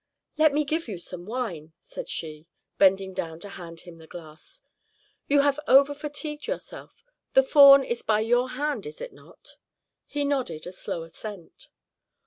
"Let me give you some wine," said she, bending down to hand him the glass; "you have over fatigued yourself. The Faun is by your hand, is it not?" He nodded a slow assent.